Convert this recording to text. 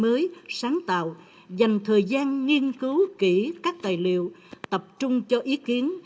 mới sáng tạo dành thời gian nghiên cứu kỹ các tài liệu tập trung cho ý kiến